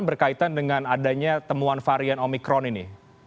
berkaitan dengan adanya temuan varian omikron ini